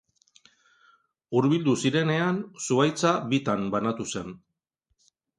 Hurbildu zirenean zuhaitza bitan banatu zen.